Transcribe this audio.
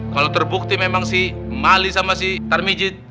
kalau terbukti memang si mali sama si tarmijit